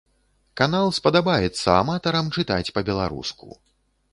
Канал спадабаецца аматарам чытаць па-беларуску.